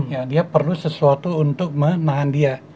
ya dia perlu sesuatu untuk menahan dia